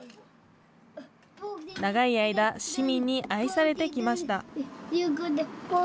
長い間、市民に愛されてきました。